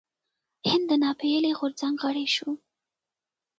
هند د ناپیيلي غورځنګ غړی شو.